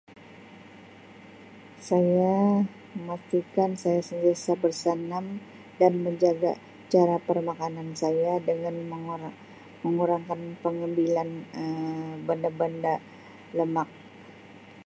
Saya memastikan saya sentiasa bersanam dan menjaga cara permakanan saya dengan mengura-mengurangkan pengambilan Um benda-benda lemak.